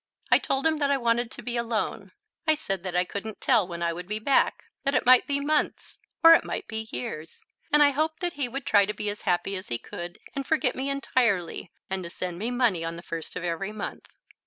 I told him that I wanted to be alone: I said that I couldn't tell when I would be back that it might be months, or it might be years, and I hoped that he would try to be as happy as he could and forget me entirely, and to send me money on the first of every month.